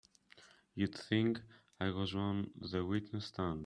You'd think I was on the witness stand!